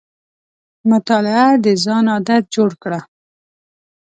مطالعه د ځان عادت جوړ کړه.